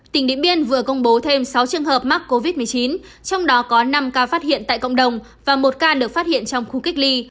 tỉnh điện biên vừa công bố thêm sáu trường hợp mắc covid một mươi chín trong đó có năm ca phát hiện tại cộng đồng và một ca được phát hiện trong khu cách ly